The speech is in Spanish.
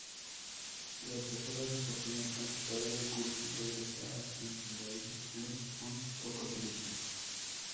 Tras pasar las vacaciones con su padre, Buffy regresa a Sunnydale un poco triste.